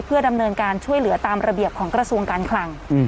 เพื่อดำเนินการช่วยเหลือตามระเบียบของกระทรวงการคลัง